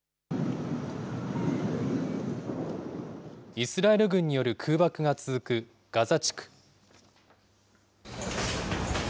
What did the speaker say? イスラエル軍による空爆が続くガザ地区。